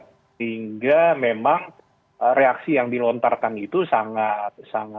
sehingga memang reaksi yang dilontarkan itu sangat sangat